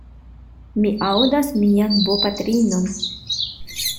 Mi aŭdas mian bopatrinon.